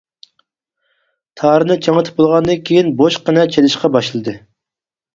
تارنى چىڭىتىپ بولغاندىن كېيىن بوشقىنە چېلىشقا باشلىدى.